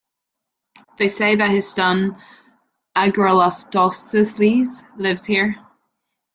They say that his son Agorastocles lives here.